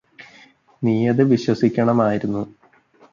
നീയത് വിശ്വസിക്കണമായിരുന്നു